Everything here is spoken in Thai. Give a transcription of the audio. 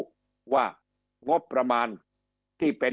คำอภิปรายของสอสอพักเก้าไกลคนหนึ่ง